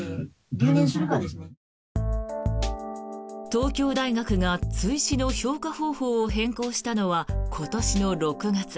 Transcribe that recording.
東京大学が追試の評価方法を変更したのは今年の６月。